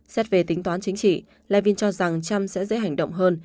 xét về tính toán chính trị liven cho rằng trump sẽ dễ hành động hơn